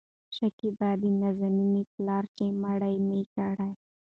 شکيبا : د نازنين پلاره چې مړه مې کړې